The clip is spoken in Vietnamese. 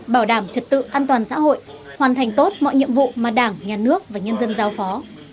bảo đảm trật tự an toàn xã hội hoàn thành tốt mọi nhiệm vụ mà đảng nhà nước và nhân dân giao phó